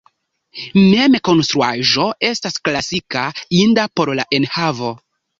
Mem la konstruaĵo estas klasika, inda por la enhavo.